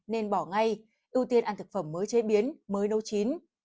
nên bỏ ngay ưu tiên ăn thực phẩm mới chế biến mới nấu chín